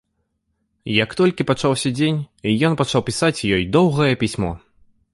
Як толькі пачаўся дзень, ён пачаў пісаць ёй доўгае пісьмо.